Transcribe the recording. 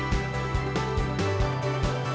inilah daripada jabang saja